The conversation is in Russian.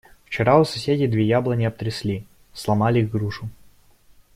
Вчера у соседей две яблони обтрясли, сломали грушу.